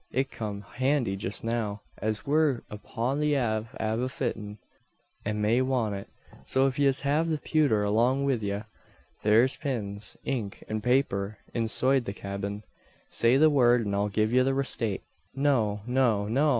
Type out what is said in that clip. it'll come handy jist now, as we're upon the ave av a flittin, an may want it. So if yez have the pewther along wid ye, thare's pins, ink, an paper insoide the cyabin. Say the word, an I'll giv ye the resate!" "No no no!